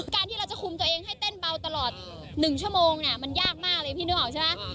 ที่เราจะคุมตัวเองให้เต้นเบาตลอด๑ชั่วโมงเนี่ยมันยากมากเลยพี่นึกออกใช่ไหม